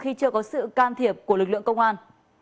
khi chưa có sự can thiệp của lực lượng công an